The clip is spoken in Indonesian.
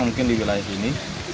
mungkin di wilayah sini